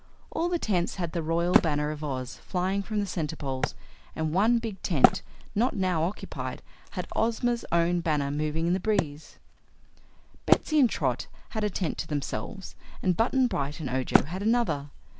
All the tents had the Royal Banner of Oz flying from the centerpoles and one big tent, not now occupied, had Ozma's own banner moving in the breeze. Betsy and Trot had a tent to themselves, and Button Bright and Ojo had another.